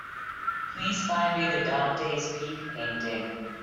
Please find me the Dante's Peak painting.